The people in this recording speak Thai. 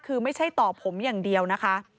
คือไม่ใช่ต่อผมอย่างเดียวนะคะ